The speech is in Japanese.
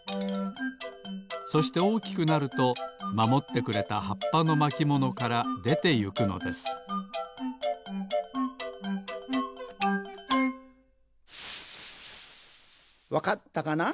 そしておおきくなるとまもってくれたはっぱのまきものからでていくのですわかったかな？